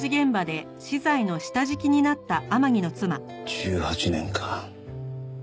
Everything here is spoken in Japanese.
１８年か。